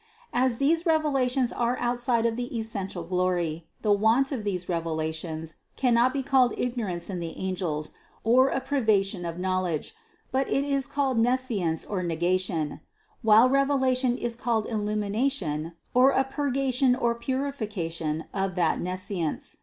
As these revelations are outside of the es sential glory, the want of these revelations cannot be called ignorance in the angels or a privation of knowl edge ; but it is called nescience or negation ; while revela tion is called illumination, or a purgation or purification of that nescience.